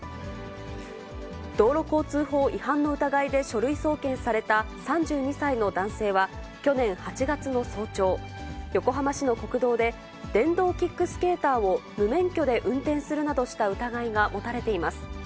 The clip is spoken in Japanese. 道路交通法違反の疑いで書類送検された３２歳の男性は、去年８月の早朝、横浜市の国道で電動キックスケーターを無免許で運転するなどした疑いが持たれています。